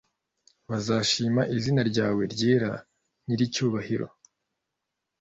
bazashima izina ryawe ryera nyiricyubahiro